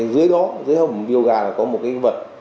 dưới đó dưới hồng biêu gà là có một cái vật